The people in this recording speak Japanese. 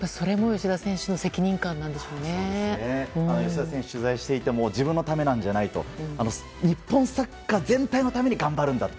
吉田選手を取材していても自分のためじゃないと日本サッカー全体のために頑張るんだと。